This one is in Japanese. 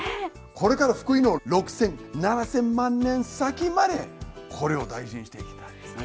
これから福井の６，０００７，０００万年先までこれを大事にしていきたいですね。